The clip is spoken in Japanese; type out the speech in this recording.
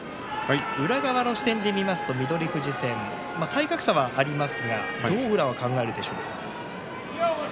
宇良側の視点で見ますと翠富士戦体格差はありますがどう宇良は考えるでしょう？